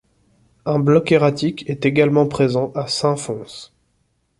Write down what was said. Un bloc erratique est également présent à Saint-Fons.